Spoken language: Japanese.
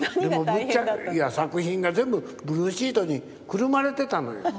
いや作品が全部ブルーシートにくるまれてたのよ。